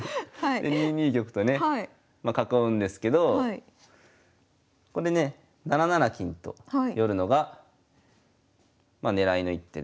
２二玉とね囲うんですけどここでね７七金と寄るのが狙いの一手で。